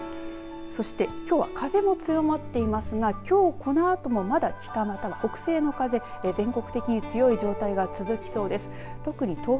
そして、きょうは風も強まっていますがきょうこのあともまだ北または北西の風が全国的に強い状態が続きそうです。